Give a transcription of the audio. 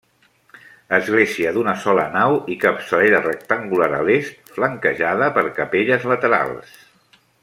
Església d'una sola nau i capçalera rectangular a l'est, flanquejada per capelles laterals.